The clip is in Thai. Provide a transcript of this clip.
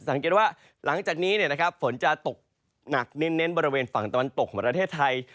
สังเกตว่าหลังจากนี้ฝนจะตกหนักเน้นบริเวณฝั่งตะวันตกของประเทศไทย